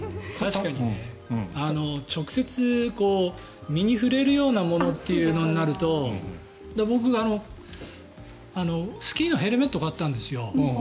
確かに直接身に触れるようなものになると僕、スキーのヘルメットを買ったんですよ。